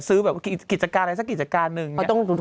ซื้อและอย่างนึง